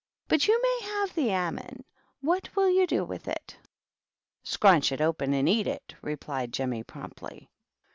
But you maj have the ammon. What will you do with it?" " Scraunch it open and eat it," replied Jemmy promptly.